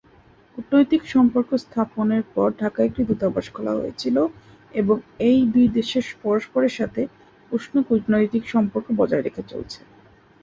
কূটনৈতিক সম্পর্ক স্থাপনের পর ঢাকায় একটি দূতাবাস খোলা হয়েছিল এবং দুই দেশ পরস্পরের সাথে উষ্ণ কূটনৈতিক সম্পর্ক বজায় রেখে চলছে।